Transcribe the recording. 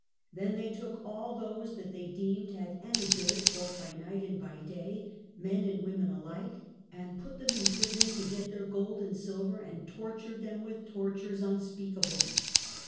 Then they took all those that they deemed had any goods, both by night and by day, men and women alike, and put them in prison to get their gold and silver, and tortured them with tortures unspeakable.